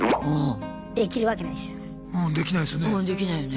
できるわけないですよ。